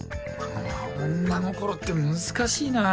女心って難しいなぁ。